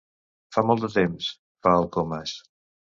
Fa molt de temps —fa el Comas.